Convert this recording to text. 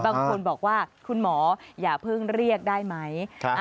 บางคนบอกว่าคุณหมออย่าเพิ่งเรียกได้ไหม